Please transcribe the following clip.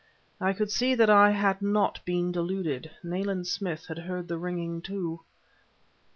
I could see that I had not been deluded; Nayland Smith had heard the ringing, too.